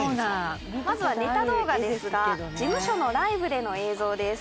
まずはネタ動画ですが事務所のライブでの映像です。